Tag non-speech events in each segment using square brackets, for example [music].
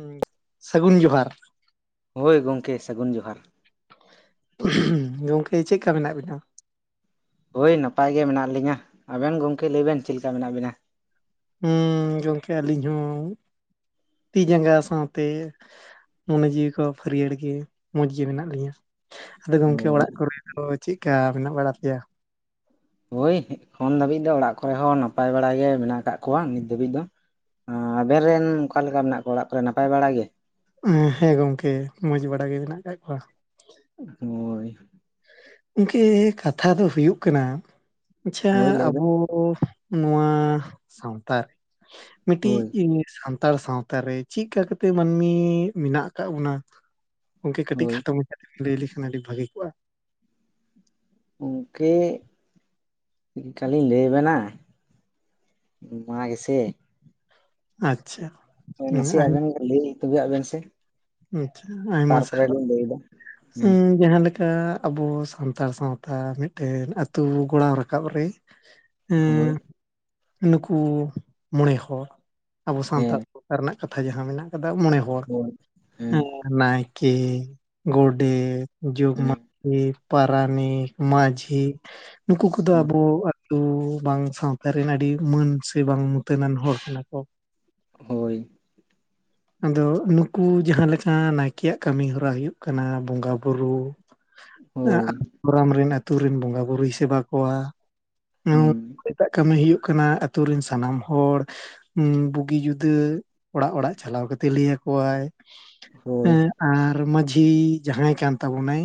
ᱩᱢ, ᱥᱟᱹᱜᱩᱱ ᱡᱚᱦᱟᱨ ᱾ ᱦᱳᱭ ᱜᱚᱢᱠᱮ, ᱥᱟᱹᱜᱩᱱ ᱡᱚᱦᱟᱨ ᱾ ᱦᱩᱜᱪᱷᱩᱢ, ᱜᱚᱝᱠᱮ ᱪᱮᱫᱠᱟ ᱢᱮᱱᱟᱜ ᱵᱤᱱᱟ? ᱦᱳᱭ ᱱᱟᱯᱟᱭ ᱜᱮ ᱢᱮᱱᱟᱜ ᱞᱤᱧᱟᱹ ᱾ ᱟᱵᱮᱱ ᱜᱚᱝᱠᱮ ᱞᱟᱹᱭ ᱵᱮᱱ ᱪᱮᱫ ᱞᱮᱠᱟ ᱢᱮᱱᱟᱜ ᱵᱮᱱᱟ? ᱦᱩᱸ, ᱜᱚᱝᱠᱮ ᱟᱹᱞᱤᱧ ᱦᱚᱸ ᱛᱤ ᱡᱟᱸᱜᱟ ᱥᱟᱶᱛᱮ ᱾ ᱢᱚᱱᱮ ᱡᱤᱣᱤ ᱠᱚ ᱦᱟᱹᱨᱭᱟᱹᱲ ᱜᱮ ᱢᱚᱡᱽ ᱜᱮ ᱢᱮᱱᱟᱜ ᱞᱤᱧᱟᱹ ᱾ ᱟᱫᱚ ᱜᱚᱝᱠᱮ ᱦᱳᱭ ᱚᱲᱟᱜ ᱠᱚᱨᱮ ᱫᱚ ᱪᱮᱫ ᱠᱟ ᱢᱮᱱᱟᱜ ᱵᱟᱲᱟ ᱯᱮᱭᱟ? ᱦᱳᱭ ᱱᱤᱛᱚᱜ ᱫᱷᱟᱹᱵᱤᱡ ᱫᱚ ᱚᱲᱟᱜ ᱠᱚᱨᱮ ᱦᱚᱸ ᱱᱟᱯᱟᱭ ᱵᱟᱲᱟ ᱜᱮ ᱢᱮᱱᱟᱜ ᱟᱠᱟᱫ ᱠᱚᱣᱟ ᱱᱤᱛ ᱫᱷᱟᱹᱵᱤᱡ ᱫᱚ ᱾ ᱦᱚᱸ ᱟᱵᱮᱱ ᱨᱮᱱ ᱚᱠᱟᱞᱮ ᱞᱮᱠᱟ ᱢᱮᱱᱟᱜ ᱠᱚᱣᱟ? ᱚᱲᱟᱜ ᱠᱚᱨᱮ ᱱᱟᱯᱟᱭ ᱵᱟᱲᱟ ᱜᱮ? ᱦᱮᱸ, ᱜᱚᱝᱠᱮ ᱢᱚᱸᱡᱽ ᱵᱟᱲᱟ ᱜᱮ ᱢᱮᱱᱟᱜ ᱟᱠᱟᱫ ᱠᱚᱣᱟ ᱾ ᱳ [unintelligible] ᱜᱚᱝᱠᱮ ᱠᱟᱛᱷᱟ ᱫᱚ ᱦᱩᱭᱩᱜ ᱠᱟᱱᱟ, ᱟᱪᱪᱷᱟ, ᱦᱳᱭ ᱞᱟᱹᱭ ᱟᱵᱚ ᱵᱮᱱ ᱱᱚᱣᱟ ᱥᱟᱶᱛᱟ ᱨᱮ ᱦᱳᱭ ᱢᱤᱫᱴᱤᱡ [unintelligible] ᱥᱟᱱᱛᱟᱲ ᱥᱟᱶᱛᱟ ᱨᱮ ᱪᱮᱫ ᱞᱮᱠᱟ ᱠᱟᱛᱮ ᱢᱟᱹᱱᱢᱤ ᱢᱮᱱᱟᱜ ᱟᱠᱟᱫ ᱵᱚᱱᱟ? ᱜᱚᱝᱠᱮ ᱠᱟᱹᱴᱤᱡ ᱦᱳᱭ ᱠᱷᱟᱴᱚ ᱢᱟᱪᱷᱟ ᱞᱟᱹᱭ ᱞᱮᱠᱷᱟᱱ ᱟᱹᱰᱤ ᱵᱷᱟᱹᱜᱤ ᱠᱚᱜᱼᱟ ᱾ ᱜᱚᱝᱠᱮ ᱪᱮᱫᱠᱟᱞᱤᱧ ᱞᱟᱹᱭ ᱟᱵᱮᱱᱟ? ᱚᱱᱟ ᱜᱮ ᱥᱮ ᱟᱪᱪᱷᱟ ᱾ ᱱᱟᱥᱮ ᱟᱵᱮᱱ ᱜᱮ ᱞᱟᱹᱭ ᱛᱚᱵᱱ ᱵᱮᱱ ᱥᱮ ᱾ ᱟᱪᱪᱷᱟ, ᱟᱭᱢᱟ ᱥᱟᱨᱦᱟᱣ ᱾ ᱞᱟᱹᱭᱮᱫᱟ ᱾ ᱦᱩᱸ ᱡᱟᱦᱟᱸ ᱞᱮᱠᱟ ᱪᱮᱠᱟ ᱟᱵᱚ ᱥᱟᱱᱛᱟᱲ ᱥᱟᱶᱛᱟ ᱢᱤᱫᱴᱮᱱ ᱟᱹᱛᱩ ᱜᱚᱲᱟᱣ ᱨᱟᱠᱟᱵ ᱨᱮ, ᱦᱳᱭ ᱮᱸ ᱱᱩᱠᱩ ᱢᱚᱸᱬᱮ ᱦᱚᱲ, ᱟᱵᱚ ᱥᱟᱱᱛᱟᱲ ᱦᱮᱸ ᱥᱟᱶᱛᱟ ᱨᱮᱱᱟᱜ ᱠᱟᱛᱷᱟ ᱡᱟᱦᱟᱸ ᱢᱮᱱᱟᱜ ᱟᱠᱟᱫᱟ ᱢᱚᱸᱬᱮ ᱦᱚᱲ ᱦᱳᱭ ᱦᱮᱸ ᱾ ᱱᱟᱭᱠᱮ, ᱜᱚᱰᱮᱛ ᱡᱚᱜᱽ ᱦᱮᱸ ᱢᱟᱹᱡᱷᱤ, ᱯᱟᱨᱟᱱᱤᱠ, ᱢᱟᱹᱡᱷᱤ ᱱᱩᱠᱩ ᱠᱚᱫᱚ ᱦᱳᱭ ᱟᱵᱚ ᱩᱸ ᱵᱟᱝ ᱥᱟᱶᱛᱟ ᱨᱮᱱ ᱟᱹᱰᱤ ᱢᱟᱹᱱ ᱥᱮ ᱵᱟᱝ ᱢᱩᱛᱟᱹᱱᱟᱱ ᱦᱚᱲ ᱠᱟᱱᱟ ᱠᱚ ᱦᱳᱭ ᱟᱫᱚ ᱩᱱᱠᱩ ᱡᱟᱦᱟᱸ ᱞᱮᱠᱟ ᱱᱟᱭᱠᱮᱭᱟᱜ ᱠᱟᱹᱢᱤ ᱦᱚᱨᱟ ᱦᱩᱭᱩᱜ ᱠᱟᱱᱟ ᱵᱚᱸᱜᱟ ᱵᱩᱨᱩ ᱟᱸ ᱦᱳᱭ ᱟᱠ ᱜᱚᱨᱟᱢ ᱨᱮᱱ ᱟᱛᱹᱩ ᱨᱮᱱ ᱵᱚᱸᱜᱟ ᱵᱩᱨᱩᱭ ᱥᱮᱵᱟ ᱠᱚᱣᱟ ᱮᱴᱟᱜ ᱠᱟᱹᱢᱤ ᱦᱩᱭᱩᱜ ᱠᱟᱱᱟ ᱟᱛ ᱛᱩ ᱨᱮᱱ ᱥᱟᱱᱟᱢ ᱦᱚᱲ ᱩᱸ ᱵᱩᱜᱤ ᱡᱩᱫᱟᱹ ᱚᱲᱟᱜ ᱚᱲᱟᱜ ᱪᱟᱞᱟᱣ ᱠᱟᱛᱮ ᱞᱟᱹᱭ ᱟᱠᱚᱣᱟᱭ ᱮᱸ ᱟᱨ ᱢᱟᱹᱡᱷᱤ ᱡᱟᱦᱟᱸᱭ ᱠᱟᱱ ᱛᱟᱵᱚᱱᱟᱭ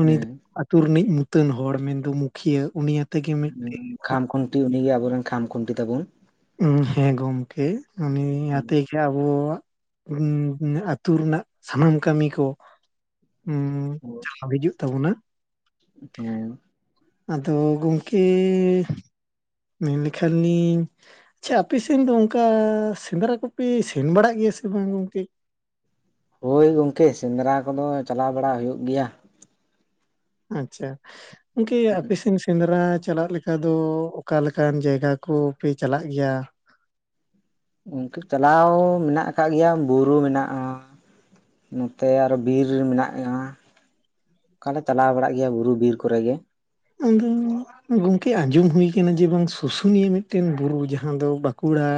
ᱩᱱᱤ ᱫᱚ ᱦᱮᱸ ᱟᱛᱩ ᱨᱤᱱᱤᱡ ᱢᱩᱛᱟᱹᱱ ᱦᱚᱲ ᱢᱮᱱ ᱫᱚ ᱢᱩᱠᱷᱤᱭᱟᱹ ᱩᱱᱤ ᱟᱛᱮ ᱜᱮ ᱢᱤᱫ ᱠᱷᱟᱢ ᱠᱷᱩᱱᱴᱤ ᱩᱱᱤᱜᱮ ᱟᱵᱚᱨᱮᱱ ᱠᱷᱟᱢ ᱠᱷᱩᱱᱴᱤ ᱛᱟᱵᱩᱱ ᱾ ᱩᱸ ᱦᱮᱸ ᱜᱚᱢᱠᱮ ᱩᱱᱤ ᱟᱛᱮ ᱪᱮ ᱟᱵᱚ ᱩᱸ ᱟᱛᱹᱩ ᱨᱮᱱᱟᱜ ᱥᱟᱱᱟᱢ ᱠᱟᱹᱢᱤ ᱠᱚ ᱦᱩᱸ ᱪᱷᱟᱣ ᱦᱤᱡᱩᱜ ᱛᱟᱵᱚᱱᱟ [unintelligible] ᱟᱫᱚ ᱜᱚᱝᱠᱮ ᱢᱮᱱ ᱞᱮᱠᱷᱟᱱ ᱞᱤᱧ ᱟᱪᱪᱷᱟ ᱟᱯᱮ ᱥᱮᱱ ᱫᱚ ᱚᱱᱠᱟ ᱥᱮᱸᱫᱽᱨᱟ ᱠᱚᱯᱮ ᱥᱮᱱ ᱵᱟᱲᱟᱜ ᱜᱮᱭᱟ ᱥᱮ ᱵᱟᱝ ᱜᱚᱝᱠᱮ? ᱦᱳᱭ ᱜᱚᱝᱠᱮ ᱥᱮᱸᱫᱽᱨᱟ ᱠᱚᱫᱚ ᱪᱟᱞᱟᱣ ᱵᱟᱲᱟ ᱦᱩᱭᱩᱜ ᱜᱮᱭᱟ᱾ ᱟᱪᱪᱷᱟ ᱜᱚᱝᱠᱮ ᱟᱯᱮ ᱥᱮᱱ ᱥᱮ ᱥᱮᱸᱫᱽᱨᱟ ᱪᱟᱞᱟᱜ ᱞᱮᱠᱟ ᱫᱚ ᱚᱠᱟ ᱞᱮᱠᱟᱱ ᱡᱟᱭᱜᱟ ᱠᱚᱯᱮ ᱪᱟᱞᱟᱜ ᱜᱮᱭᱟ? ᱜᱚᱝᱠᱮ ᱪᱟᱞᱟᱣ ᱢᱮᱱᱟᱜ ᱟᱠᱟᱜ ᱜᱮᱭᱟ ᱵᱩᱨᱩ ᱢᱮᱱᱟᱜ-ᱟ᱾ ᱱᱚᱛᱮ ᱟᱨᱚ ᱵᱤᱨ ᱨᱮ ᱢᱮᱱᱟᱜ-ᱟ ᱚᱠᱟᱞᱮ ᱪᱟᱞᱟᱣ ᱵᱟᱲᱟᱜ ᱜᱮᱭᱟ ᱵᱩᱨᱩ ᱵᱤᱨ ᱠᱚᱨᱮ ᱜᱮ ᱟᱸᱫᱚ [unintelligible] ᱜᱚᱝᱠᱮ ᱟᱸᱡᱚᱢ ᱦᱩᱭ ᱟᱠᱟᱱᱟ ᱡᱮ ᱵᱟᱝ ᱥᱩᱥᱩᱱᱤᱭᱟᱹ ᱢᱤᱫᱴᱮᱱ ᱵᱩᱨᱩ ᱡᱟᱦᱟᱸ ᱫᱚ ᱵᱟᱸᱠᱩᱲᱟ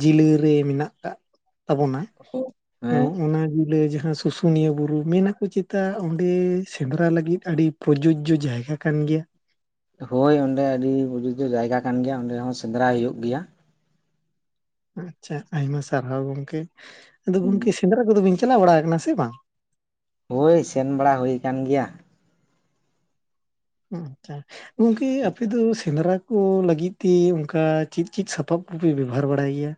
ᱡᱮᱞᱟᱹ ᱨᱮ ᱢᱮᱱᱟᱜ ᱠᱟᱜ ᱛᱟᱵᱚᱱᱟ ᱦᱮᱸ ᱚᱱᱟ ᱡᱤᱞᱟᱹ ᱡᱟᱦᱟᱸ ᱥᱩ ᱥᱩᱥᱩᱱᱤᱭᱟᱹ ᱵᱩᱨᱩ ᱢᱮᱱᱟ ᱠᱚ ᱪᱮᱫᱟ ᱚᱸᱰᱮ ᱥᱮᱸᱫᱽᱨᱟ ᱞᱟᱹᱜᱤᱫ ᱟᱹᱰᱤ ᱯᱨᱚᱡᱳᱡᱚ ᱡᱳᱡ ᱡᱟᱭᱜᱟ ᱠᱟᱱ ᱜᱮᱭᱟ ᱦᱳᱭ ᱚᱸᱰᱮ ᱟᱹᱰᱤ ᱯᱨᱩᱡᱩᱡᱚ ᱡᱟᱭᱜᱟ ᱠᱟᱱ ᱜᱮᱭᱟ ᱚᱸᱰᱮ ᱦᱚᱸ ᱥᱮᱸᱫᱽᱨᱟᱭ ᱦᱩᱭᱩᱜ ᱜᱮᱭᱟ ᱟᱪᱪᱷᱟ ᱟᱭᱢᱟ ᱥᱟᱨᱦᱟᱣ ᱜᱚᱝᱠᱮ ᱟᱫᱚ ᱜᱚᱝᱠᱮ ᱥᱮᱸᱫᱽᱨᱟ ᱠᱚᱫᱚ ᱵᱤᱱ ᱪᱟᱞᱟᱣ ᱵᱟᱲᱟ ᱟᱠᱟᱱᱟ ᱥᱮ ᱵᱟᱝ? ᱦᱳᱭ ᱥᱮᱱ ᱵᱟᱲᱟ ᱦᱩᱭ ᱟᱠᱟᱱ ᱜᱮᱭᱟ᱾ ᱟᱪᱪᱷᱟ ᱜᱚᱝᱠᱮ ᱟᱯᱮ ᱫᱚ ᱥᱮᱸᱫᱽᱨᱟ ᱠᱚ ᱞᱟᱹᱜᱤᱫ ᱛᱮ ᱚᱱᱠᱟ ᱪᱮᱫ ᱪᱮᱫ ᱥᱟᱯᱟᱵᱽ ᱠᱚᱯᱮ ᱵᱮᱵᱚᱦᱟᱨ ᱵᱟᱲᱟᱭ ᱜᱮᱭᱟ?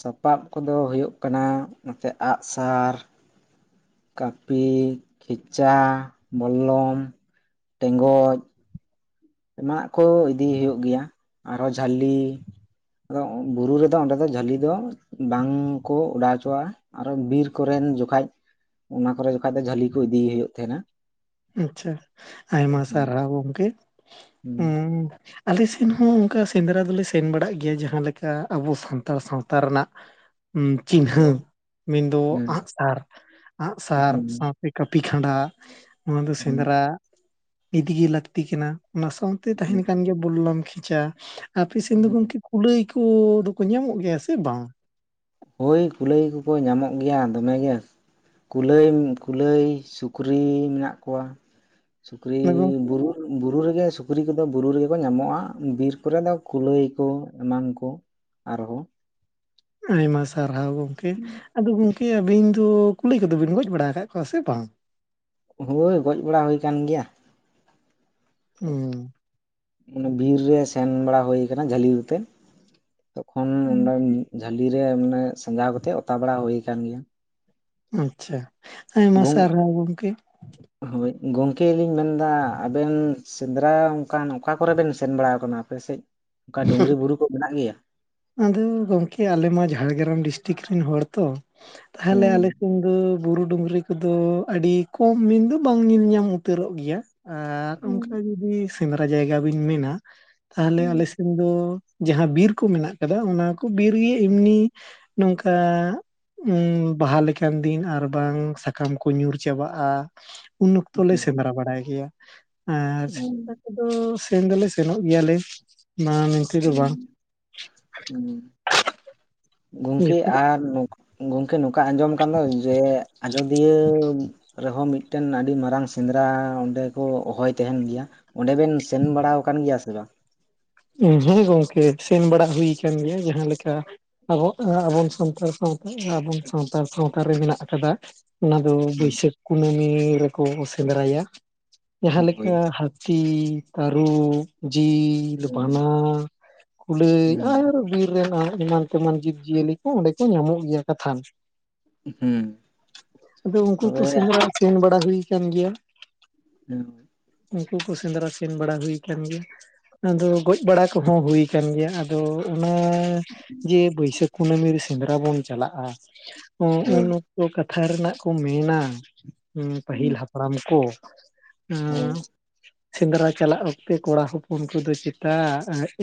ᱥᱟᱯᱟᱵᱽ ᱠᱚᱫᱚ ᱦᱩᱭᱩᱜ ᱠᱟᱱᱟ ᱱᱚᱛᱮ ᱟᱸᱜ-ᱥᱟᱨ ᱠᱟᱹᱯᱤ ᱠᱷᱮᱪᱟ ᱵᱚᱞᱞᱚᱢ ᱴᱮᱸᱜᱚᱡ ᱮᱢᱟᱜ ᱠᱚ ᱤᱫᱤ ᱦᱩᱭᱩᱜ ᱜᱮᱭᱟ ᱟᱨᱚ ᱡᱷᱟᱹᱞᱤ ᱟᱫᱚ ᱵᱩᱨᱩ ᱨᱮᱫᱚ ᱚᱸᱰᱮ ᱫᱚ ᱡᱷᱟᱹᱞᱤ ᱫᱚ ᱵᱟᱝ ᱠᱚ ᱚᱰᱟᱣ ᱦᱚᱪᱚᱣᱟᱜ-ᱟ ᱟᱨᱚ ᱵᱤᱨ ᱠᱚ ᱨᱮᱱ ᱡᱚᱠᱷᱟᱡ ᱚᱱᱟ ᱠᱚᱨᱮ ᱡᱚᱠᱷᱟᱡ ᱫᱚ ᱡᱷᱟᱹᱞᱤ ᱠᱚ ᱤᱫᱤᱭᱮ ᱦᱩᱭᱩᱜ ᱛᱟᱦᱮᱸᱱᱟ᱾ ᱟᱪᱪᱷᱟ ᱟᱭᱢᱟ ᱥᱟᱨᱦᱟᱣ ᱜᱚᱝᱠᱮ ᱦᱩᱸ ᱩᱸ ᱟᱞᱮ ᱥᱮᱱ ᱦᱚᱸ ᱚᱱᱠᱟ ᱥᱮᱸᱫᱽᱨᱟ ᱫᱚᱞᱮ ᱥᱮᱱ ᱵᱟᱲᱟᱜ ᱜᱮᱭᱟ ᱡᱟᱦᱟᱸ ᱞᱮᱠᱟ ᱟᱵᱚ ᱥᱟᱱᱛᱟᱲ ᱥᱟᱶᱛᱟ ᱨᱮᱱᱟᱜ ᱪᱤᱱᱦᱟᱹ ᱢᱮᱱᱫᱚ ᱦᱩᱸ ᱟᱸᱜ-ᱥᱟᱨ ᱟᱸᱜ-ᱥᱟᱨ ᱦᱩᱸ ᱥᱟᱶ ᱥᱮ ᱠᱟᱹᱯᱤ ᱠᱷᱟᱸᱰᱟ ᱚᱱᱟ ᱫᱚ ᱥᱮᱸᱫᱽᱨᱟ ᱤᱫᱤ ᱜᱤ ᱞᱟᱹᱠᱛᱤ ᱠᱟᱱᱟ ᱚᱱᱟ ᱥᱟᱣ ᱛᱮ ᱦᱩᱸ ᱛᱟᱦᱮᱸᱱ ᱠᱟᱱ ᱜᱮᱭᱟ ᱵᱩᱞᱞᱚᱢ ᱠᱷᱮᱪᱟ ᱟᱯᱮ ᱥᱮᱱ ᱫᱚ ᱦᱩᱸ ᱜᱚᱝᱠᱮ ᱠᱩᱞᱟᱹᱭ ᱠᱩ ᱫᱚᱠᱚ ᱧᱟᱢᱚᱜ ᱜᱮᱭᱟ ᱥᱮ ᱵᱟᱝ? ᱦᱳᱭ ᱠᱩᱞᱟᱹᱭ ᱠᱚᱠᱚ ᱧᱟᱢᱚᱜ ᱜᱮᱭᱟ ᱫᱚᱢᱮ ᱜᱮ ᱠᱩᱞᱟᱹᱭ ᱠᱩᱞᱟᱹᱭ ᱥᱩᱠᱨᱤ ᱢᱮᱱᱟᱜ ᱠᱚᱣᱟ ᱥᱩᱠᱨᱤ ᱚᱱᱟ ᱜᱚᱝᱠᱮ ᱵᱩᱨᱩᱫ ᱵᱩᱨᱩ ᱨᱮᱜᱮ ᱥᱩᱠᱨᱤ ᱠᱚᱫᱚ ᱵᱩᱨᱩ ᱨᱮᱜᱮ ᱠᱚ ᱧᱟᱢᱚᱜ-ᱟ ᱵᱤᱨ ᱠᱚᱨᱮ ᱫᱚ ᱠᱩᱞᱟᱹᱭ ᱠᱚ ᱮᱢᱟᱱ ᱠᱚ ᱟᱨᱦᱚᱸ ᱟᱭᱢᱟ ᱥᱟᱨᱦᱟᱣ ᱜᱚᱝᱠᱮ, ᱟᱫᱚ ᱜᱚᱝᱠᱮ ᱟᱹᱵᱤᱱ ᱫᱚ ᱠᱩᱞᱟᱹᱭ ᱠᱚᱫᱚ ᱵᱤᱱ ᱜᱚᱡ ᱵᱟᱲᱟ ᱟᱠᱟᱫ ᱠᱚᱣᱟ ᱥᱮ ᱵᱟᱝ? ᱦᱳᱭ ᱜᱚᱡ ᱵᱟᱲᱟ ᱦᱩᱭ ᱟᱠᱟᱱ ᱜᱮᱭᱟ᱾ ᱦᱩᱸ ᱢᱟᱱᱮ ᱵᱤᱨ ᱨᱮ ᱥᱮᱱ ᱵᱟᱲᱟ ᱦᱩᱭ ᱟᱠᱟᱱᱟ ᱡᱷᱟᱹᱞᱤ ᱟᱛᱮᱛ ᱛᱚᱠᱷᱚᱱ ᱦᱩᱸ ᱚᱸᱰᱮ ᱡᱷᱟᱹᱞᱤ ᱨᱮ ᱢᱟᱱᱮ ᱥᱟᱡᱟᱣ ᱠᱟᱛᱮᱜ ᱚᱛᱟ ᱵᱟᱲᱟ ᱦᱩᱭ ᱟᱠᱟᱱ ᱜᱮᱭᱟ᱾ ᱟᱪᱪᱷᱟ ᱟᱭᱢᱟ ᱜᱚᱝ ᱥᱟᱨᱦᱟᱣ ᱜᱚᱝᱠᱮ᱾ ᱦᱳᱭ ᱜᱚᱢᱠᱮ ᱞᱤᱧ ᱢᱮᱱᱫᱟ ᱟᱵᱮᱱ᱾ ᱥᱮᱸᱫᱽᱨᱟ ᱚᱱᱠᱟᱱ ᱚᱠᱟ ᱠᱚᱨᱮ ᱵᱮᱱ ᱥᱮᱱ ᱵᱟᱲᱟ ᱟᱠᱟᱱᱟ? ᱟᱯᱮᱥᱮᱫ, ᱚᱱᱠᱟ ᱰᱩᱝᱨᱤ ᱵᱩᱨᱩ ᱠᱚ ᱢᱮᱱᱟᱜ ᱜᱮᱭᱟ? ᱟᱫᱚ ᱜᱚᱝᱠᱮ ᱟᱞᱮᱢᱟ ᱡᱷᱟᱲᱜᱨᱟᱢ ᱰᱤᱥᱴᱤᱠ ᱨᱮᱱ ᱦᱚᱲ ᱛᱚ, ᱛᱟᱦᱚᱞᱮ ᱟᱞᱮ ᱦᱮᱸ ᱥᱮᱱ ᱫᱚ ᱵᱩᱨᱩ ᱰᱩᱝᱨᱤ ᱠᱚᱫᱚ ᱟᱹᱰᱤ ᱠᱚᱢ ᱢᱮᱱ ᱫᱚ ᱵᱟᱝ ᱧᱮᱞ ᱧᱟᱢ ᱩᱛᱟᱹᱨᱚᱜ ᱜᱮᱭᱟ ᱟᱨ ᱚᱱᱠᱟ ᱡᱩᱫᱤ ᱥᱮᱸᱫᱽᱨᱟ ᱡᱟᱭᱜᱟ ᱵᱤᱱ ᱢᱮᱱᱟ ᱛᱟᱦᱚᱞᱮ ᱟᱞᱮ ᱥᱮᱫ ᱫᱚ ᱡᱟᱦᱟᱸ ᱵᱤᱨ ᱠᱚ ᱢᱮᱱᱟᱜ ᱟᱠᱟᱫᱟ ᱚᱱᱟ ᱠᱚ ᱵᱤᱨ ᱜᱮ ᱤᱢᱱᱤ ᱱᱚᱝᱠᱟ ᱵᱟᱦᱟ ᱞᱮᱠᱟᱱ ᱫᱤᱱ, ᱟᱨᱵᱟᱝ ᱥᱟᱠᱟᱢ ᱠᱚ ᱧᱩᱨ ᱪᱟᱵᱟᱜ-ᱟ᱾ ᱩᱱ ᱚᱠᱛᱚ ᱞᱮ ᱥᱮᱸᱫᱽᱨᱟ ᱵᱟᱲᱟᱭ ᱜᱮᱭᱟ᱾ ᱟᱨ ᱚᱠᱟ ᱠᱚᱫᱚ ᱥᱮᱱ ᱫᱚᱞᱮ ᱥᱮᱱᱚᱜ ᱜᱮᱭᱟᱞᱮ ᱚᱱᱟ ᱢᱮᱱᱛᱮ ᱫᱚ ᱵᱟᱝ᱾ ᱩᱢ ᱜᱚᱢᱠᱮ ᱟᱨ ᱜᱚᱢᱠᱮ ᱱᱚᱝᱠᱟ ᱟᱸᱡᱚᱢ ᱠᱟᱱ ᱫᱚ ᱡᱮ, ᱟᱡᱚᱫᱤᱭᱟᱹ ᱨᱮᱦᱚᱸ ᱢᱤᱫᱴᱮᱱ ᱟᱹᱰᱤ ᱢᱟᱨᱟᱝ ᱥᱮᱸᱫᱽᱨᱟ, ᱚᱸᱰᱮ ᱠᱚ ᱦᱚᱦᱚᱭ ᱛᱟᱦᱮᱱ ᱜᱮᱭᱟ ᱚᱸᱰᱮ ᱵᱮᱱ ᱥᱮᱱ ᱵᱟᱲᱟ ᱟᱠᱟᱱ ᱜᱮᱭᱟ ᱥᱮ ᱵᱟᱝ? ᱦᱮᱸ ᱜᱚᱝᱠᱮ ᱥᱮᱱ ᱵᱟᱲᱟ ᱦᱩᱭ ᱟᱠᱟᱱ ᱜᱮᱭᱟ ᱡᱟᱦᱟᱸ ᱞᱮᱠᱟ᱾ ᱟᱵᱚᱜ ᱟᱵᱚᱱ ᱥᱟᱱᱛᱟᱲ ᱥᱟᱶᱛᱟ ᱟᱵᱚᱱ ᱥᱟᱱᱛᱟᱲ ᱥᱟᱶᱛᱟ ᱨᱮ ᱢᱮᱱᱟᱜ ᱟᱠᱟᱫᱟ᱾ ᱚᱱᱟ ᱫᱚ ᱵᱟᱹᱭᱥᱟᱹᱠᱷ ᱠᱩᱱᱟᱹᱢᱤ ᱨᱮᱠᱚ ᱥᱮᱸᱫᱽᱨᱟᱭᱟ, ᱡᱟᱦᱟᱸ ᱦᱳᱭ ᱞᱮᱠᱟ ᱦᱟᱠ ᱦᱟᱹᱛᱤ, ᱛᱟᱹᱨᱩᱵᱽ, ᱡᱤ ᱵᱟᱱᱟ, ᱦᱩᱸ ᱠᱩᱞᱟᱹᱭ ᱟᱨ ᱵᱤᱨ ᱮᱢᱟᱱ ᱛᱮᱢᱟᱱ ᱡᱤᱵᱽ ᱡᱤᱭᱟᱹᱞᱤ ᱠᱚ ᱚᱸᱰᱮ ᱠᱚ ᱧᱟᱢᱚᱜ ᱜᱮᱭᱟ, ᱠᱟᱛᱷᱟᱱ ᱦᱩᱸ ᱟᱫᱚ ᱩᱱᱠᱩ ᱠᱚ ᱛᱚᱵᱮ ᱥᱮᱱ ᱥᱮᱸᱫᱽᱨᱟ ᱥᱮᱱ ᱵᱟᱲᱟ ᱦᱩᱭ ᱠᱟᱱᱟᱱ ᱜᱮᱭᱟ ᱦ ᱩᱱᱠᱩ ᱠᱚ ᱥᱮᱸᱫᱽᱨᱟ ᱥᱮᱱ ᱵᱟᱲᱟ ᱦᱩᱭ ᱟᱠᱟᱱ ᱜᱮᱭᱟ᱾ ᱟᱫᱚ ᱜᱚᱡ ᱵᱟᱲᱟ ᱠᱚᱦᱚᱸ ᱦᱩᱭᱭᱟ ᱟᱠᱟᱱ ᱜᱮᱭᱟ᱾ ᱟᱫᱚ, ᱚᱱᱟ ᱡᱮ ᱵᱟᱹᱭᱥᱟᱹᱠᱷ ᱠᱩᱱᱟᱹᱢᱤ ᱨᱮ ᱥᱮᱸᱫᱽᱨᱟ ᱵᱚᱱ ᱪᱟᱞᱟᱜ-ᱟ, ᱩᱱ ᱦᱳᱭ ᱚᱠᱛᱚ ᱠᱟᱛᱷᱟ ᱨᱮᱱᱟᱜ ᱠᱚ ᱢᱮᱱᱟ᱾ ᱯᱟᱹᱦᱤᱞ ᱦᱟᱯᱲᱟᱢ ᱠᱚ ᱩ ᱦᱳᱭ ᱥᱮᱸᱫᱽᱨᱟ ᱪᱟᱞᱟᱜ ᱚᱠᱛᱮ ᱠᱚᱲᱟ ᱦᱚᱯᱚᱱ ᱠᱚᱫᱚ ᱪᱤᱜ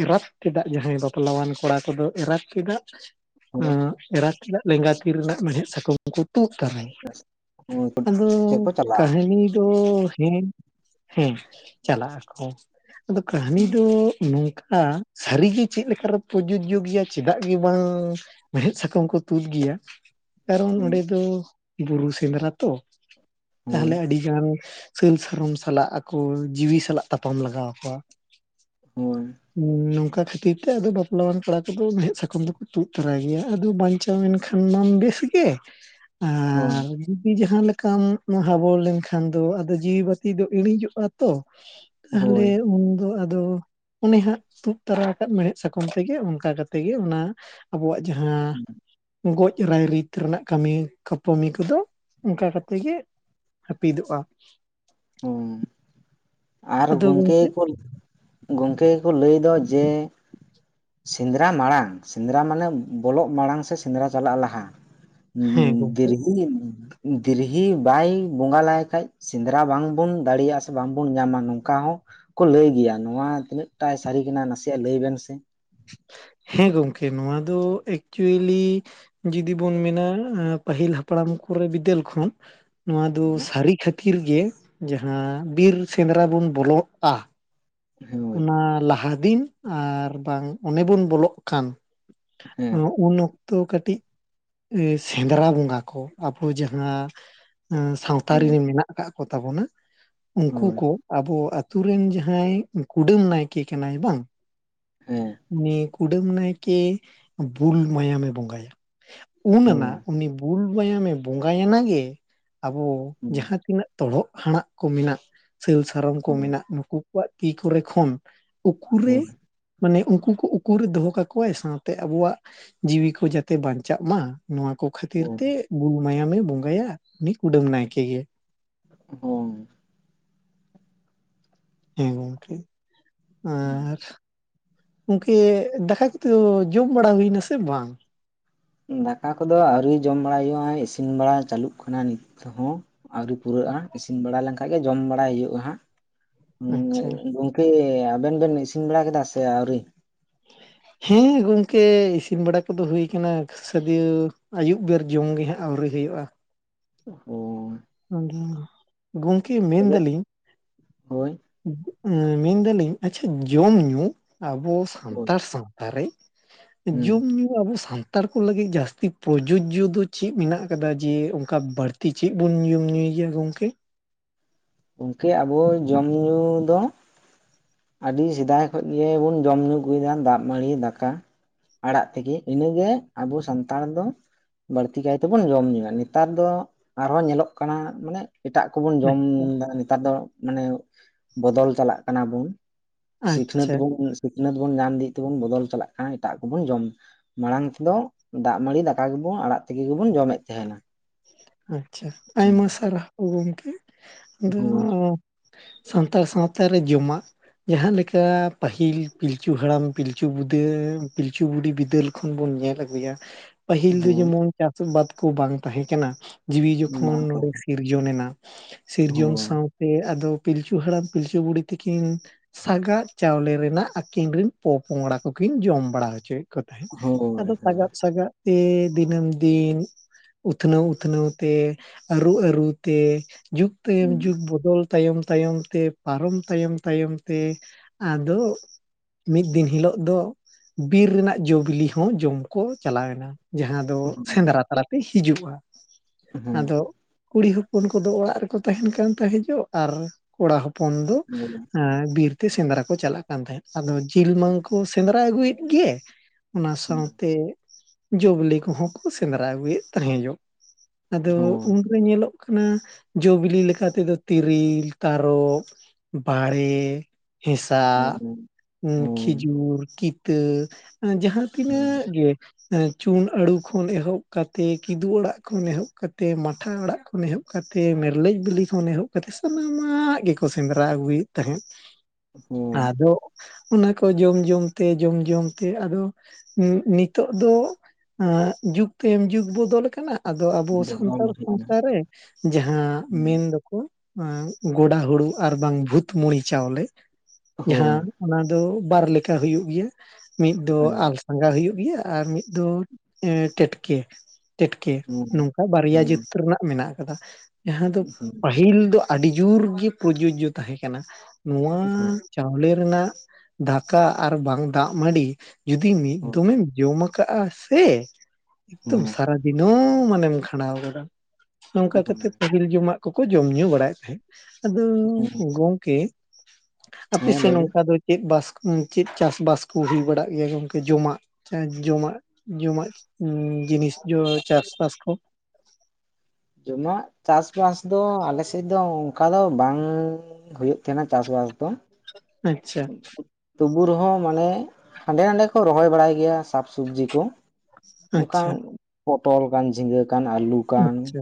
ᱮᱨᱟᱯ ᱪᱮᱫᱟᱜ ᱡᱟᱦᱟᱸᱭ ᱵᱟᱯᱞᱟᱣᱟᱱ ᱠᱚᱲᱟ ᱠᱚᱫᱚ ᱮᱨᱟᱯ ᱪᱮᱫᱟᱜ᱾ ᱮᱨᱟᱛᱟᱜ ᱪᱮᱫᱟᱜ ᱞᱮᱸᱜᱟ ᱛᱤ ᱨᱮᱱᱟᱜ ᱢᱮᱲᱦᱮᱫ ᱥᱟᱠᱟᱢ ᱠᱚ ᱛᱩᱫ ᱛᱟᱨᱟᱭᱟ᱾ ᱦᱳᱭ ᱪᱷᱩᱴᱤ ᱟᱫᱚ ᱛᱮᱠᱚ ᱪᱟᱞᱟᱜᱼᱟ ᱠᱟᱹᱦᱱᱤ ᱦᱮᱸ ᱦᱮᱸ ᱪᱟᱞᱟᱜ ᱟᱠᱚ ᱟᱫᱚ ᱠᱟᱹᱦᱱᱤ ᱫᱚ᱾ ᱱᱚᱝᱠᱟ ᱥᱟᱹᱨᱤᱜᱮ ᱪᱮᱫᱠᱟᱨ ᱯᱨᱚᱡᱳᱡᱡᱚ ᱜᱮᱭᱟ, ᱪᱮᱫᱟᱜ ᱜᱮ ᱵᱟᱝ ᱢᱮᱲᱦᱮᱫ ᱥᱟᱠᱟᱢ ᱠᱚ ᱛᱩᱫ ᱜᱮᱭᱟ᱾ ᱠᱟᱨᱚᱱ ᱦᱳᱭ ᱚᱸᱰᱮ ᱫᱚ, ᱵᱩᱨᱩ ᱥᱮᱸᱫᱽᱨᱟ ᱛᱚ, ᱦᱳᱭ ᱛᱟᱦᱞᱮ ᱟᱹᱰᱤ ᱜᱟᱱ ᱥᱟᱹᱞ ᱥᱟᱨᱚᱢ ᱥᱟᱞᱟᱜ ᱟᱠᱚ, ᱡᱤᱣᱤ ᱥᱟᱞᱟᱜ ᱛᱟᱯᱟᱢ ᱞᱟᱜᱟᱣ ᱟᱠᱚᱣᱟ ᱦᱳᱭ ᱦᱮᱸ ᱱᱚᱝᱠᱟ ᱠᱷᱟᱹᱛᱤᱨ ᱛᱮ ᱟᱫᱚ ᱵᱟᱯᱞᱟᱣᱟᱱ ᱠᱚᱲᱟ ᱠᱚᱫᱚ ᱢᱮᱲᱦᱮᱫ ᱥᱟᱠᱟᱚᱢ ᱫᱚᱠᱚ ᱛᱩᱫ ᱛᱚᱨᱟᱭ ᱜᱮᱭᱟ, ᱟᱫᱚ ᱵᱟᱝ ᱵᱟᱪᱟᱣ ᱮᱱᱠᱷᱟᱱ ᱢᱟᱢ ᱵᱮᱥ ᱜᱮ ᱟᱨ ᱡᱩᱫᱤ ᱡᱟᱦᱟᱸ ᱞᱮᱠᱟᱢ ᱦᱟᱵᱚᱲ ᱞᱮᱱᱠᱷᱟᱱ ᱫᱚ, ᱟᱫᱚ ᱡᱤᱣᱤ ᱵᱟᱹᱛᱤ ᱫᱚ ᱤᱲᱤᱡᱚᱜᱼᱟ᱾ [unintelligible] ᱛᱟᱦᱞᱮ ᱦᱳᱭ ᱩᱱᱫᱚ ᱟᱫᱚ ᱩᱱᱤ ᱦᱟᱸᱜ ᱛᱩᱫ ᱛᱟᱨᱟ ᱟᱠᱟᱫ ᱢᱮᱲᱦᱮᱫ ᱥᱟᱠᱟᱚᱢ ᱛᱮᱜᱮ ᱚᱱᱠᱟ ᱠᱟᱛᱮ ᱜᱮ ᱚᱱᱟ ᱟᱵᱚᱣᱟᱜ ᱡᱟᱦᱟᱸ ᱼᱼ ᱜᱚᱡ ᱨᱟᱭᱨᱤᱛ ᱨᱮᱱᱟᱜ ᱠᱟᱹᱢᱤ ᱠᱟᱹᱯᱢᱤ ᱠᱚᱫᱚ, ᱚᱱᱠᱟ ᱠᱟᱛᱮᱫ ᱜᱮ ᱦᱟᱹᱯᱤᱫᱚᱜᱼᱟ᱾ ᱩᱸ ᱟᱨ ᱜᱚᱝᱠᱮ ᱠᱚ ᱜᱚᱝᱠᱮ ᱜᱮᱠᱚ ᱞᱟᱹᱭ ᱫᱚ ᱡᱮ ᱥᱮᱸᱫᱽᱨᱟ ᱢᱟᱲᱟᱝ᱾ ᱥᱮᱸᱫᱽᱨᱟ ᱢᱟᱱᱮ ᱵᱚᱞᱚᱜ ᱢᱟᱲᱟᱝ ᱥᱮ ᱥᱮᱸᱫᱽᱨᱟ ᱪᱟᱞᱟᱜ ᱞᱟᱦᱟ᱾ ᱦᱮᱸ ᱦᱩᱸᱦᱩᱸᱻ᱾ ᱜᱚᱝᱠᱮ ᱫᱤᱨᱦᱤ, ᱫᱤᱨᱦᱤ ᱵᱟᱭ ᱵᱚᱸᱜᱟ ᱞᱟᱭ ᱠᱷᱟᱡ ᱥᱮᱸᱫᱽ ᱡᱟᱦᱟᱸ ᱵᱟᱝᱵᱚᱱ ᱫᱟᱲᱮᱭᱟᱜᱼᱟ ᱥᱮ ᱵᱟᱝᱵᱚᱱ ᱧᱟᱢᱟ ᱱᱚᱝᱠᱟ ᱦᱚᱸ ᱠᱚ ᱞᱟᱹᱭ ᱜᱮᱭᱟ᱾ ᱱᱚᱣᱟ ᱛᱤᱱᱟᱹᱜ ᱴᱟᱭ ᱥᱟᱹᱨᱤ ᱠᱟᱱᱟ ᱱᱟᱥᱮ ᱞᱟᱹᱭ ᱵᱮᱱ ᱥᱮ᱾ ᱦᱮᱸ ᱜᱚᱢᱠᱮ ᱱᱚᱶᱟ ᱫᱚ ᱮᱠᱪᱩᱭᱮᱞᱤ ᱡᱩᱫᱤ ᱵᱚᱱ ᱢᱮᱱᱟ ᱯᱟᱹᱦᱤᱞ ᱦᱟᱯᱲᱟᱢ ᱠᱚᱨᱮ ᱵᱤᱫᱟᱹᱞ ᱠᱷᱚᱱ ᱱᱚᱣᱟ ᱫᱚ ᱥᱟᱹᱨᱤ ᱠᱷᱟᱹᱛᱤ ᱼᱼ ᱤᱨ ᱜᱮ ᱡᱟᱦᱟᱸ ᱵᱤᱨ ᱥᱮᱸᱫᱽᱨᱟ ᱵᱚᱱ ᱵᱚᱞᱚᱜᱼᱟ ᱦᱳᱭ ᱦᱮᱸ ᱦᱳᱭ ᱚᱱᱟ ᱞᱟᱦᱟ ᱫᱤᱱ, ᱟᱨ ᱵᱟᱝ, ᱚᱱᱮ ᱵᱚᱱ ᱵᱚᱞᱚᱜ ᱠᱷᱟᱱ ᱦᱮᱸ ᱩᱱ [unintelligible] ᱛᱚ ᱠᱟᱹᱴᱤᱡ ᱥᱮᱸᱫᱽᱨᱟ ᱵᱚᱸᱜᱟ ᱠᱚ, ᱟᱠᱚ ᱡᱟᱦᱟᱸ ᱥᱟᱶ ᱼᱼ ᱛᱟᱨᱤ ᱨᱮ ᱢᱮᱱᱟᱜ ᱟᱠᱟᱫ ᱠᱚ ᱛᱟᱵᱚᱱᱟ ᱩᱱᱠᱩ ᱦᱳᱭ ᱠᱚ ᱟᱵᱚ ᱟᱛᱳ ᱨᱮᱱ ᱡᱟᱦᱟᱸᱭ ᱠᱩᱰᱟᱹᱢ ᱱᱟᱭᱠᱮ ᱠᱟᱱᱟᱭ ᱵᱟᱝ? ᱦᱳᱭ ᱩᱱᱤ ᱠᱩᱰᱟᱹᱢ ᱱᱟᱭᱠᱮ ᱵᱩᱞ ᱢᱟᱭᱟᱢᱮ ᱵᱚᱸᱜᱟᱭᱟ᱾ ᱩᱱ ᱟᱱᱟᱜ ᱩᱱᱤ ᱵᱩᱞ ᱢᱟᱭᱟᱢᱮ ᱵᱚᱸᱜᱟᱭᱟᱱᱟ ᱜᱮ ᱟᱵᱚ ᱡᱟᱦᱟᱸ ᱛᱤᱱᱟᱹᱜ ᱛᱚᱨᱦᱚᱜ ᱦᱟᱬᱟᱜ ᱠᱚ ᱢᱮᱱᱟᱜ ᱥᱟᱹᱞ ᱥᱟᱨᱚᱢ ᱠᱚ ᱦᱳᱭ ᱢᱮᱱᱟᱜ ᱱᱩᱠᱩ ᱠᱚᱣᱟᱜ ᱛᱤ ᱠᱚᱨᱮ ᱠᱷᱚᱱ ᱩᱠᱩᱨᱮ, ᱢᱟᱱᱮ ᱩᱱᱠᱩ ᱠᱚ ᱩᱠᱩᱨᱮ ᱫᱚᱦᱚ ᱠᱟᱠᱚᱣᱟᱭ ᱥᱟᱶᱛᱮ ᱟᱵᱚᱣᱟᱜ ᱡᱤᱣᱤ ᱠᱚ ᱡᱟᱛᱮ ᱵᱟᱧᱪᱟᱜ ᱢᱟ ᱱᱚᱣᱟ ᱠᱚ ᱠᱷᱟᱹᱛᱤᱨ ᱦᱳᱭ ᱛᱮ ᱜᱩᱞ ᱢᱟᱭᱟᱢᱮ ᱵᱚᱸᱜᱟᱭᱟ᱾ ᱩᱱᱤ ᱠᱩᱰᱟᱹᱢ ᱱᱟᱭᱠᱮ ᱜᱮ᱾ ᱚᱸ᱾ ᱦᱮᱸ ᱜᱚᱝᱠᱮ ᱟᱨ ᱜᱚᱝᱠᱮ ᱫᱟᱠᱟ ᱠᱩ ᱛᱚ ᱡᱚᱢ ᱵᱟᱲᱟ ᱦᱩᱭᱱᱟ ᱥᱮ ᱵᱟᱝ? ᱫᱟᱠᱟ ᱠᱚᱫᱚ ᱟᱹᱣᱨᱤ ᱡᱚᱢ ᱵᱟᱲᱟ ᱦᱩᱭᱩᱜᱼᱟ᱾ ᱤᱥᱤᱱ ᱵᱟᱲᱟ ᱪᱟᱹᱟᱞᱩᱜ ᱠᱟᱱᱟ ᱱᱤᱛᱦᱚᱸ᱾ ᱟᱹᱣᱨᱤ ᱯᱩᱨᱟᱹᱜᱼᱟ᱾ ᱤᱥᱤᱱ ᱵᱟᱲᱟ ᱞᱮᱱᱠᱷᱟᱡ ᱜᱮ ᱡᱚᱢ ᱵᱟᱲᱟᱭ ᱦᱩᱭᱩᱜᱼᱟ ᱟᱪᱪᱷᱟ ᱦᱟᱸᱜ᱾ [unintelligible] ᱠᱮ ᱟᱵᱮᱱ ᱵᱮᱱ ᱤᱥᱤᱱ ᱵᱟᱲᱟ ᱠᱮᱫᱟ ᱥᱮ ᱟᱹᱣᱨᱤ? ᱦᱮᱸ ᱜᱚᱢᱠᱮ ᱤᱥᱤᱱ ᱵᱟᱲᱟ ᱠᱚᱫᱚ ᱦᱩᱭ ᱟᱠᱟᱱᱟ᱾ ᱥᱟᱹᱫᱤᱭᱟᱹ ᱟᱹᱭᱩᱵ ᱵᱮᱨ ᱡᱚᱢ ᱜᱮ ᱦᱟᱸᱜ ᱟᱹᱣᱨᱤ ᱦᱩᱭᱩᱜᱼᱟ᱾ ᱚᱦᱚᱻ᱾ ᱩᱸᱦᱩᱸ᱾ ᱜᱚᱝᱠᱮ ᱢᱮᱱᱫᱟᱞᱤᱧ ᱦᱳᱭ ᱢᱮᱱᱫᱟᱞᱤᱧ ᱟᱪᱪᱷᱟ ᱡᱚᱢ ᱧᱩ ᱟᱵᱚ ᱦᱳᱭ ᱥᱟᱱᱛᱟᱲ ᱥᱟᱶᱛᱟᱨᱮ ᱦᱩᱸ ᱡᱩᱢ ᱧᱩ ᱟᱵᱚ ᱥᱟᱱᱛᱟᱲ ᱠᱚ ᱞᱟᱹᱜᱤᱫ ᱡᱟᱹᱥᱛᱤ ᱯᱚᱡᱽᱡᱳ ᱡᱚ ᱫᱚ ᱪᱮᱫ ᱢᱮᱱᱟᱜ ᱟᱠᱟᱫᱟ ᱡᱮ ᱚᱱᱠᱟ ᱵᱟᱹᱲᱛᱤ ᱪᱮᱫ ᱵᱚᱱ ᱡᱩᱢ ᱧᱩᱭ ᱜᱮᱭᱟ ᱜᱚᱢᱠᱮ? ᱜᱚᱢᱠᱮ ᱟᱵᱚ ᱡᱚᱢ ᱧᱩ ᱫᱚ ᱟᱹᱰᱤ ᱥᱮᱫᱟᱭ ᱠᱷᱚᱡ ᱜᱮᱵᱚᱱ ᱡᱚᱢ ᱧᱩ ᱟᱹᱜᱩᱭᱮᱫᱟ, ᱫᱟᱜ ᱢᱟᱹᱲᱤ ᱫᱟᱠᱟ᱾ ᱟᱲᱟᱜ ᱛᱮᱜᱮ ᱤᱱᱟᱹ ᱜᱮ ᱟᱵᱚ ᱥᱟᱱᱛᱟᱲ ᱫᱚ᱾ ᱵᱟᱹᱲᱛᱤ ᱠᱟᱭᱛᱮ ᱵᱚᱱ ᱡᱚᱢ ᱧᱩᱭᱟ᱾ ᱱᱮᱛᱟᱨ ᱫᱚ ᱟᱨᱦᱚᱸ ᱧᱮᱞᱚᱜ ᱠᱟᱱᱟ, ᱢᱟᱱᱮ ᱮᱴᱟᱜ ᱠᱚᱵᱚᱱ ᱡᱚᱢ ᱟᱪᱪᱷᱟ ᱮᱫᱟ᱾ ᱱᱮᱛᱟᱨ ᱫᱚ ᱢᱟᱱᱮ ᱵᱚᱫᱚᱞ ᱪᱟᱞᱟᱜ ᱠᱟᱱᱟ ᱵᱚᱱ᱾ ᱥᱤᱠᱷᱱᱟᱹᱛ ᱟᱪᱪᱷᱟ ᱵᱚᱱ ᱥᱤᱠᱷᱱᱟᱹᱛ ᱵᱚᱱ ᱧᱟᱢ ᱤᱫᱤᱭᱮᱫ ᱛᱮᱵᱚᱱ ᱵᱚᱫᱚᱞ ᱪᱟᱞᱟᱜ ᱠᱟᱱᱟ ᱮᱴᱟᱜ ᱠᱚᱵᱚᱱ ᱡᱚᱢ ᱢᱟᱲᱟᱝ ᱛᱮᱫᱚ ᱫᱟᱜ ᱢᱟᱹᱲᱤ ᱫᱟᱠᱟ ᱜᱮᱵᱚᱱ ᱟᱲᱟᱜ ᱛᱮᱜᱤ ᱜᱮᱵᱚᱱ ᱡᱚᱢᱮᱫ ᱛᱟᱦᱮᱱᱟ᱾ ᱟᱪᱪᱷᱟ ᱟᱭᱢᱟ ᱥᱟᱨᱦᱟᱣ ᱜᱚᱝᱠᱮ᱾ ᱫᱚ ᱦᱳᱭ ᱥᱟᱱᱛᱟᱲ ᱥᱟᱶᱛᱟ ᱨᱮ ᱡᱚᱢᱟᱜ ᱡᱟᱦᱟᱸ ᱞᱮᱠᱟ ᱯᱟᱹᱦᱤᱞ ᱯᱤᱞᱪᱩ ᱦᱟᱲᱟᱢ ᱯᱤᱞᱪᱩ ᱵᱩᱫᱟᱹ ᱯᱤᱞᱪᱩ ᱵᱩᱰᱷᱤ ᱵᱤᱫᱟᱹᱞ ᱠᱷᱚᱱ ᱵᱚᱱ ᱧᱮᱞ ᱟᱹᱜᱩᱭᱟ ᱯᱟᱹᱦᱤᱞ ᱫᱚ ᱦᱳᱭ ᱡᱮᱢᱚᱱ ᱪᱟᱥ ᱟᱵᱟᱫ ᱠᱚ ᱵᱟᱝ ᱛᱟᱦᱮᱸ ᱠᱟᱱᱟ ᱡᱤᱣᱤ ᱡᱚᱠᱷᱚᱱ ᱵᱟᱝ ᱱᱚᱰᱮ ᱥᱤᱨᱡᱚᱱ ᱮᱱᱟ ᱥᱤᱨᱡᱚᱱ ᱦᱳᱭ ᱥᱟᱶᱛᱮ ᱟᱫᱚ ᱯᱤᱞᱪᱩ ᱦᱟᱲᱟᱢ ᱯᱤᱞᱪᱩ ᱵᱩᱲᱦᱤ ᱛᱤᱠᱤᱱ ᱥᱟᱜᱟᱫ ᱪᱟᱣᱞᱮ ᱨᱮᱱᱟᱜ ᱟᱹᱠᱤᱱ ᱨᱮᱱ ᱯᱚᱯᱚᱝᱲᱟ ᱠᱚᱠᱤᱱ ᱡᱚᱢ ᱵᱟᱲᱟ ᱦᱚᱪᱚᱭᱮᱫ ᱠᱚᱛᱟᱦᱮᱸᱫ ᱦᱳᱭ ᱟᱫᱚ ᱦᱳᱭ ᱥᱟᱜᱟᱫ ᱥᱟᱜᱟᱫ ᱛᱮ ᱫᱤᱱᱟᱹᱢ ᱫᱤᱱ ᱩᱛᱱᱟᱹᱣ ᱩᱛᱱᱟᱹᱣ ᱛᱮ ᱟᱹᱨᱩ ᱟᱹᱨᱩ ᱛᱮ ᱡᱩᱜᱽ ᱛᱟᱭᱚᱢ ᱦᱮᱸ ᱡᱩᱜᱽ ᱵᱚᱫᱚᱞ ᱛᱟᱭᱚᱢ ᱛᱟᱭᱚᱢ ᱛᱮ ᱯᱟᱨᱚᱢ ᱛᱟᱭᱚᱢ ᱛᱟᱭᱚᱢ ᱛᱮ ᱟᱫᱚ ᱢᱤᱫ ᱫᱤᱱ ᱦᱤᱞᱳᱜ ᱫᱚ ᱵᱤᱨ ᱨᱮᱱᱟᱜ ᱡᱚ ᱵᱤᱞᱤ ᱦᱚᱸ ᱡᱚᱢ ᱠᱚ ᱪᱟᱞᱟᱣᱮᱱᱟ᱾ ᱡᱟᱦᱟ ᱫᱚ ᱦᱳᱭ ᱥᱮᱸᱱᱫᱽᱨᱟ ᱛᱟᱞᱟᱛᱮ ᱦᱤᱡᱩᱜᱼᱟ ᱦᱳᱭ ᱟᱫᱚ᱾ ᱠᱩᱲᱤ ᱦᱚᱯᱚᱱ ᱠᱚᱫᱚ ᱚᱲᱟᱜ ᱨᱮᱠᱚ ᱛᱟᱦᱮᱱ ᱠᱟᱱ ᱛᱟᱦᱮᱸᱱ ᱡᱚᱜ ᱟᱨ ᱠᱚᱲᱟ ᱦᱚᱯᱚᱱ ᱫᱚ ᱚᱸ ᱵᱤᱨ ᱛᱮ ᱥᱮᱸᱱᱫᱽᱨᱟ ᱠᱚ ᱪᱟᱞᱟᱜ ᱠᱟᱱ ᱛᱟᱦᱮᱸᱫ ᱟᱫᱚ ᱡᱤᱞ ᱢᱟᱝ ᱠᱚ ᱥᱮᱸᱱᱫᱽᱨᱟ ᱟᱹᱜᱩᱭᱮᱫ ᱜᱮ ᱚᱱᱟ ᱥᱟᱶᱛᱮ ᱡᱚ ᱵᱤᱞᱤ ᱠᱚᱦᱚᱸ ᱠᱚ ᱥᱮᱸᱱᱫᱽᱨᱟ ᱟᱹᱜᱩᱭᱮᱫ ᱛᱟᱦᱮᱸ ᱡᱚᱜ᱾ ᱟᱫᱚ ᱦᱳᱭ ᱩᱱᱨᱮ ᱧᱮᱞᱚᱜ ᱠᱟᱱᱟ ᱡᱚᱵᱤᱞᱤ ᱞᱮᱠᱟ ᱛᱮᱫᱚ ᱛᱮᱨᱮᱤᱞ ᱛᱟᱨᱚᱵ ᱵᱟᱲᱮ ᱦᱮᱸᱥᱟᱜ ᱦᱳᱭ ᱠᱷᱤᱡᱩᱨ ᱠᱤᱛᱟᱹ ᱡᱟᱦᱟ ᱛᱤᱱᱟᱹᱜ ᱜᱮ ᱪᱩᱱ ᱟᱲᱩ ᱠᱷᱚᱱ ᱮᱦᱚᱵ ᱠᱟᱛᱮ ᱛᱮ ᱠᱤᱫᱩ ᱟᱲᱟᱜ ᱠᱷᱚᱱ ᱮᱦᱚᱵ ᱠᱟᱛᱮ ᱢᱟᱴᱷᱟ ᱟᱲᱟᱜ ᱠᱷᱚᱱ ᱮᱦᱚᱵ ᱠᱟᱛᱮ ᱢᱮᱨᱞᱮᱡ ᱵᱤᱞᱤ ᱠᱷᱚᱱ ᱮᱦᱚᱵ ᱠᱟᱛᱮ ᱥᱟᱱᱟᱢᱟᱜ ᱜᱮᱠᱚ ᱥᱮᱸᱱᱫᱽᱨᱟ ᱟᱹᱜᱩᱭᱮᱫ ᱛᱟᱦᱮᱸᱫ ᱦᱳᱭ ᱟᱫᱚ ᱚᱱᱟ ᱠᱚ ᱡᱚᱢ ᱡᱚᱢ ᱛᱮ ᱡᱚᱢ ᱡᱚᱢ ᱛᱮ ᱟᱫᱚ ᱱᱤᱛᱚᱜ ᱫᱚ ᱟᱸ ᱡᱩᱜᱽ ᱛᱟᱭᱚᱢ ᱡᱩᱜᱽ ᱵᱚᱫᱚᱞ ᱠᱟᱱᱟ ᱟᱫᱚ ᱟᱵᱚ ᱥᱟᱱᱛᱟᱲ ᱥᱟᱶᱛᱟ ᱨᱮ ᱡᱟᱦᱟᱸ ᱢᱮᱱ ᱫᱚ ᱠᱩᱡ ᱟᱝ ᱜᱚᱰᱟ ᱦᱩᱲᱩ ᱟᱨ ᱵᱟᱝ ᱵᱷᱩᱛᱢᱲᱤ ᱪᱟᱣᱞᱮ ᱦᱳᱭ ᱡᱟᱦᱟᱸ ᱦᱳᱭ ᱚᱱᱟ ᱫᱚ ᱵᱟᱨ ᱞᱮᱠᱟ ᱦᱩᱭᱩᱜ ᱜᱮᱭᱟ ᱢᱤᱫᱜ ᱫᱚ ᱟᱞ ᱯᱟᱸᱜᱟᱣ ᱦᱩᱭᱩᱜ ᱜᱮᱭᱟ ᱟᱨ ᱢᱤᱫ ᱫᱚ ᱴᱮᱴᱠᱮ᱾ ᱴᱮᱴᱠᱮ ᱦᱩᱸ ᱱᱚᱝᱠᱟ ᱵᱟᱨᱭᱟ ᱡᱟᱹᱛ ᱦᱩᱸ ᱨᱮᱱᱟᱜ ᱢᱮᱱᱟᱜ ᱟᱠᱟᱫᱟ ᱡᱟᱦᱟᱸ ᱫᱚ ᱦᱩᱸ ᱯᱟᱹᱦᱤᱞ ᱫᱚ ᱟᱹᱰᱤ ᱡᱩᱨᱜᱮ ᱯᱨᱚᱡᱳᱡᱳ ᱛᱟᱦᱮᱸ ᱠᱟᱱᱟ ᱱᱚᱣᱟ ᱦᱩᱸ ᱪᱟᱣᱞᱮ ᱨᱮᱱᱟᱜ ᱫᱟᱠᱟ ᱟᱨ ᱵᱟᱝ ᱫᱟᱜ ᱢᱟᱹᱰᱤ ᱡᱩᱫᱤ ᱢᱤᱫ ᱦᱩᱸ ᱫᱚᱢᱮᱢ ᱡᱚᱢᱟ ᱠᱟᱜᱼᱟ ᱥᱮ ᱦᱮᱸ ᱠᱤᱱᱛᱩ ᱥᱟᱨᱟ ᱫᱤᱱ ᱦᱚᱸ ᱢᱟᱱᱮᱢ ᱠᱷᱟᱸᱰᱟᱣ ᱜᱚᱫᱟ᱾ ᱱᱚᱝᱠᱟ ᱠᱟᱛᱮᱜ ᱦᱮᱸ ᱯᱟᱹᱦᱤᱞ ᱡᱚᱢᱟᱜ ᱠᱚᱠᱚ ᱡᱚᱢ ᱧᱩ ᱵᱟᱲᱟᱭᱮᱫ ᱛᱟᱦᱮᱸᱫ ᱟᱫᱚ ᱦᱩᱸ ᱜᱚᱝᱠᱮ ᱦᱮᱸ ᱟᱯᱮᱥᱮᱫ ᱞᱟᱹᱭ ᱵᱮᱱ ᱱᱚᱸᱠᱟ ᱫᱚ ᱪᱮᱫ ᱵᱟᱥ ᱪᱮᱫ ᱪᱟᱥᱵᱟᱥ ᱠᱚ ᱦᱩᱭ ᱵᱟᱲᱟᱜ ᱜᱮᱭᱟ ᱜᱚᱝᱠᱮ ᱡᱚᱢᱟᱜ? ᱦᱚᱸ ᱡᱚᱢᱟᱜ ᱡᱚᱢᱟᱜ ᱮᱸ ᱡᱤᱱᱤᱥ ᱡᱚ ᱪᱟᱥᱵᱟᱥ ᱠᱚ ᱡᱚᱢᱟᱜ ᱪᱟᱥᱵᱟᱥ ᱫᱚ ᱟᱞᱮᱥᱮᱫ ᱫᱚ ᱚᱱᱠᱟ ᱫᱚ ᱵᱟᱝ ᱦᱩᱭᱩᱜ ᱛᱟᱦᱮᱱᱟ ᱪᱟᱥ ᱵᱟᱥ ᱫᱚ᱾ ᱟᱪᱪᱷᱟ᱾ ᱛᱩᱵᱩ ᱨᱮᱦᱚᱸ ᱢᱟᱱᱮ ᱦᱟᱸᱰᱮ ᱱᱟᱰᱮ ᱠᱚ ᱨᱚᱦᱚᱭ ᱵᱟᱲᱟᱭ ᱜᱮᱭᱟ ᱥᱟᱵ ᱥᱚᱵᱡᱤ ᱠᱚ ᱚᱱᱠᱟᱱ ᱟᱪᱪᱷᱟ, ᱯᱚᱴᱚᱞ ᱠᱟᱱ ᱡᱷᱤᱸᱜᱟᱹ ᱠᱟᱱ ᱟᱹᱞᱩ ᱠᱟᱱ ᱟᱪᱪᱷᱟ᱾